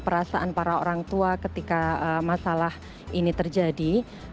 perasaan para orang tua ketika masalah ini terjadi